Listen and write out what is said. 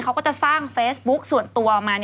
เขาก็จะสร้างเฟซบุ๊กส่วนตัวออกมา